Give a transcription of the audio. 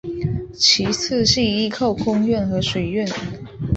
其次是依靠空运和水运。